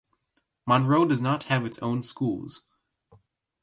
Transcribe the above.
Monroe does not have its own schools.